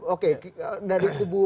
oke dari kubu